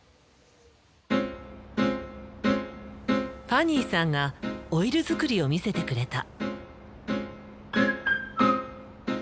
ファニーさんがオイル作りを見せてくれた。